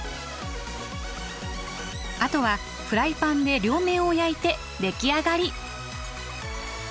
あとはフライパンで両面を焼いて出来上がり。